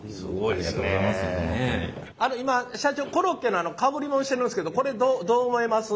あの今社長コロッケのかぶりもんしてるんすけどこれどうどう思います？